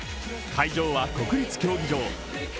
会場は国立競技場。